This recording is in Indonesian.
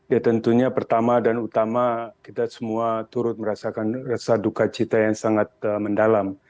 ya tentunya pertama dan utama kita semua turut merasakan rasa duka cita yang sangat mendalam